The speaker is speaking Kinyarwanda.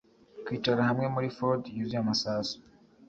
kwicara hamwe muri ford yuzuye amasasu